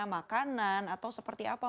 makanan atau seperti apa